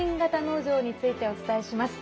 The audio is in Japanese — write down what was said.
農場についてお伝えします。